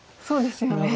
そうですよね。